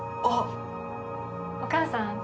お父さん。